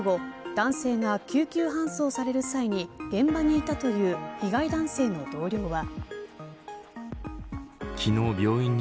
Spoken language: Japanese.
男性が救急搬送される際に現場にいたという被害男性の同僚は。